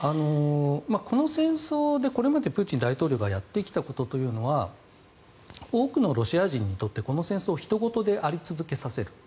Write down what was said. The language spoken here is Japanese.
この戦争でこれまでプーチン大統領がやってきたことというのは多くのロシア人にとってこの戦争をひと事であり続けさせる。